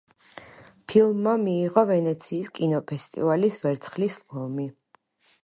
ფილმმა მიიღო ვენეციის კინოფესტივალის ვერცხლის ლომი.